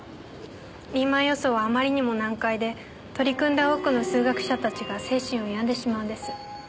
リーマン予想はあまりにも難解で取り組んだ多くの数学者たちが精神を病んでしまうんです。